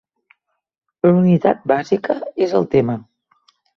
La unitat bàsica és el tema.